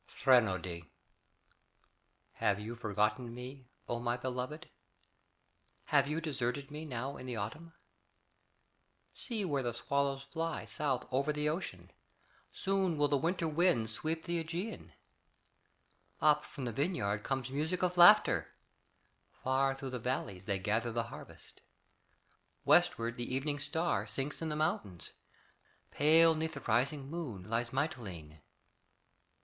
THRENODY Have you forgotten me, O my beloved? Have you deserted me Now in the autumn? See where the swallows fly South o'er the ocean: Soon will the winter wind Sweep the Ægean. Up from the vineyard comes Music of laughter; Far through the valleys they Gather the harvest. Westward the evening star Sinks in the mountains; Pale 'neath the rising moon Lies Mytilene.